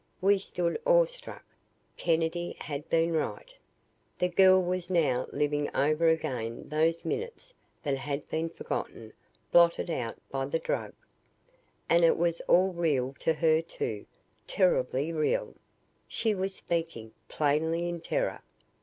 We stood awestruck. Kennedy had been right! The girl was now living over again those minutes that had been forgotten blotted out by the drug. And it was all real to her, too, terribly real. She was speaking, plainly in terror.